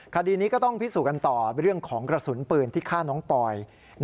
คดีนี้ก็ต้องพิสูจน์กันต่อเรื่องของกระสุนปืนที่ฆ่าน้องปอย